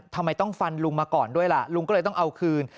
ทำไมต้องฟันลุงมาก่อนด้วยล่ะลุงก็เลยต้องเอาคืน